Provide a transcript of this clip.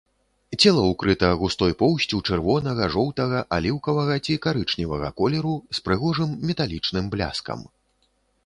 Цела ўкрыта густой поўсцю чырвонага, жоўтага, аліўкавага ці карычневага колеру з прыгожым металічным бляскам.